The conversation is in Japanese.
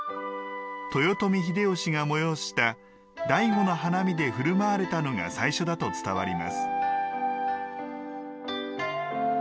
豊臣秀吉が催した醍醐の花見で振る舞われたのが最初だと伝わります。